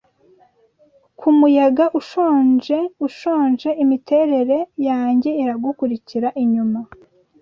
Ku muyaga ushonje ushonje Imiterere yanjye iragukurikira inyuma